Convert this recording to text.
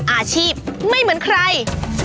อาชีพไม่เหมือนใคร